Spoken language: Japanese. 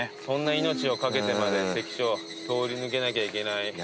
そんな命を懸けてまで関所を通り抜けなきゃいけない。